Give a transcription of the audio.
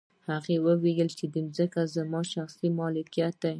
هغه وايي چې ځمکې زما شخصي ملکیت دی